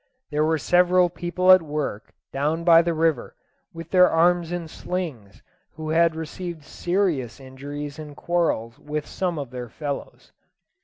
There were several people at work down by the river, with their arms in slings, who had received serious injuries in quarrels with some of their fellows.